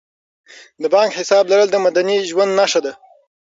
د بانک حساب لرل د مدني ژوند نښه ده.